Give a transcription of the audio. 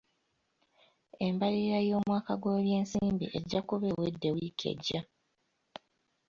Embalirira y'omwaka gw'ebyensimbi ejja kuba eweddw wiiki ejja.